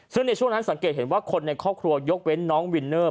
ซึ่งในช่วงนั้นสังเกตเห็นว่าคนในครอบครัวยกเว้นน้องวินเนอร์